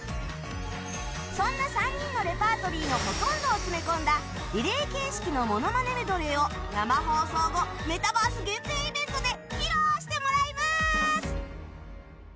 そんな３人のレパートリーのほとんどを詰め込んだリレー形式のモノマネメドレーを生放送後メタバース限定イベントで披露してもらいます！